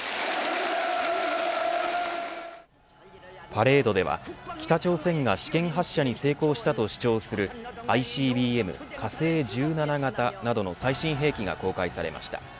パレードでは、北朝鮮が試験発射に成功したと主張するＩＣＢＭ、火星１７型などの最新兵器が公開されました。